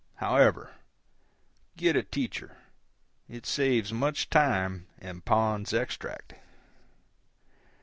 However, get a teacher; it saves much time and Pond's Extract.